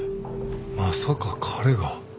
まさか彼が。